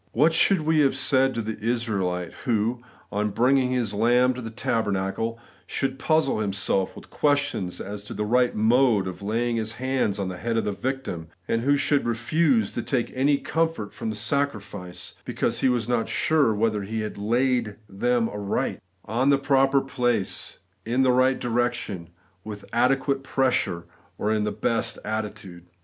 What should we have said to the Israelite, who, on bringing his lamb to the tabernacle, should puzzle himself with questions as to the right mode of laying his hands on the head of the victim, and who should refuse to take any comfort from the sacrifice, because he was not sure whether he had laid them aright; — on the proper place, in the right direction, with adequate pressure, or in the best attitude